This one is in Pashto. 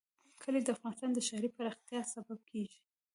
کلي د افغانستان د ښاري پراختیا سبب کېږي.